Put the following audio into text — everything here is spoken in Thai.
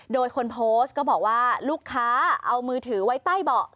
โดยคนโพสต์ก็บอกว่าลูกค้าเอามือถือไว้ใต้เบาะ